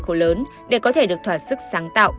khổ lớn để có thể được thỏa sức sáng tạo